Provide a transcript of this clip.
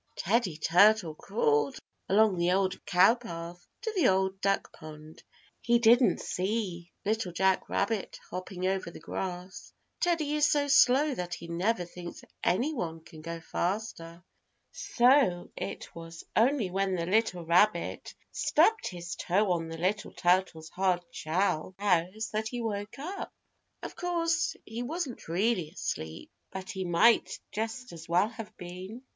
Teddy Turtle crawled along the Old Cow Path to the Old Duck Pond. He didn't see Little Jack Rabbit hopping over the grass. Teddy is so slow that he never thinks any one can go faster. So it was only when the little rabbit stubbed his toe on the little turtle's hard shell house that he woke up. Of course he wasn't really asleep, but he might just as well have been.